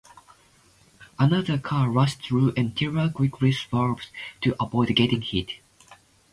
Another car rushes through and Tiller quickly swerves to avoid getting hit.